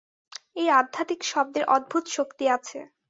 এই আধ্যাত্মিক শব্দের অদ্ভুত শক্তি আছে।